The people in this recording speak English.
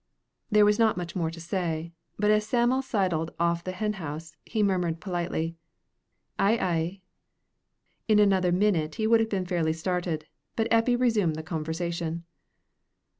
There was not much more to say, but as Sam'l sidled off the hen house, he murmured politely, "Ay, ay." In another minute he would have been fairly started, but Eppie resumed the conversation.